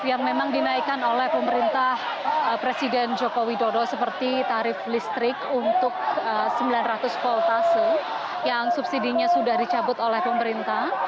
yang memang dinaikkan oleh pemerintah presiden joko widodo seperti tarif listrik untuk sembilan ratus voltase yang subsidinya sudah dicabut oleh pemerintah